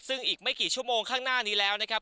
ซึ่งอีกไม่กี่ชั่วโมงข้างหน้านี้แล้วนะครับ